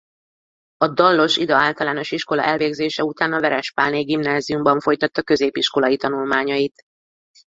A Dallos Ida Általános Iskola elvégzése után a Veres Pálné Gimnáziumban folytatta középiskolai tanulmányait.